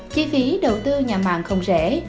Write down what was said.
chi phí đầu tư nhà màng không rẻ